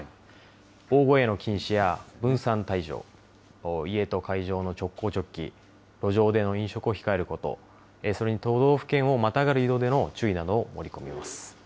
大声の禁止や分散退場、家と会場の直行・直帰、路上での飲食を控えること、それに都道府県をまたがる移動での注意などを盛り込みます。